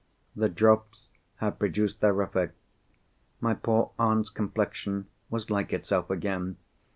The drops had produced their effect. My poor aunt's complexion was like itself again.